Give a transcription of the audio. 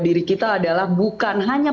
diri kita adalah bukan hanya